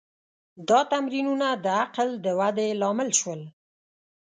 دا تمرینونه د عقل د ودې لامل شول.